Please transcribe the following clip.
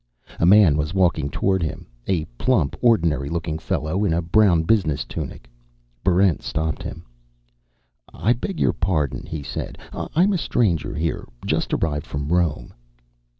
A man was walking toward him, a plump, ordinary looking fellow in a brown business tunic. Barrent stopped him. "I beg your pardon," he said. "I'm a stranger here, just arrived from Rome."